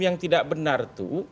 yang tidak benar itu